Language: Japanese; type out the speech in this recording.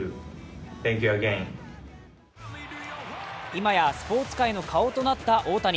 今やスポーツ界の顔となった大谷。